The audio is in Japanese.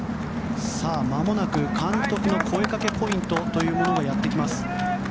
まもなく監督の声かけポイントというものがやってきます。